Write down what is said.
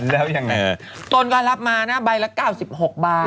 แล้วยังไงต้นก็รับมานะใบละ๙๖บาท